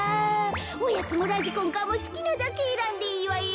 「おやつもラジコンカーもすきなだけえらんでいいわよ」。